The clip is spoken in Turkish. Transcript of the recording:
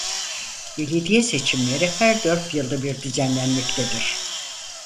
Belediye seçimleri her dört yılda bir düzenlenmektedir.